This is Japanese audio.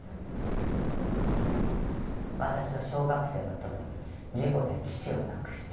私は小学生の時に事故で父を亡くした。